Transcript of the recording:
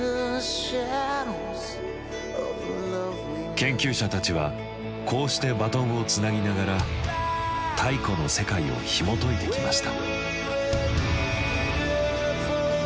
研究者たちはこうしてバトンをつなぎながら太古の世界をひもといてきました。